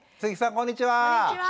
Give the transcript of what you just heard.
こんにちは。